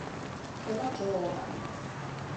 佢甩左我底